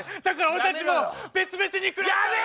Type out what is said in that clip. だから俺たちもう別々に暮らし。